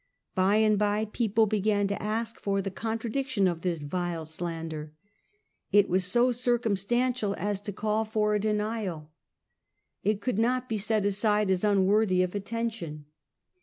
By and by peo ple began to ask for the contradiction of this " vile slander." It was so circumstantial as to call for a de nial. It could not be set aside as unworthy of atten tion.